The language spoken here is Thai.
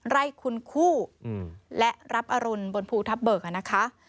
ไร่คุณคู่และรับอรุณบนภูทับเบิกนะคะ